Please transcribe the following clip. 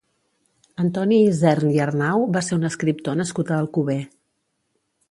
Antoni Isern i Arnau va ser un escriptor nascut a Alcover.